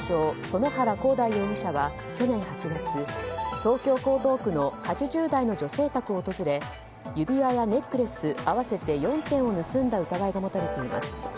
園原広大容疑者は去年８月、東京・江東区の８０代の女性宅を訪れ指輪やネックレス合わせて４点を盗んだ疑いが持たれています。